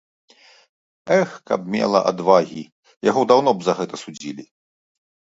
Эх, каб мела адвагі, яго даўно б за гэта судзілі!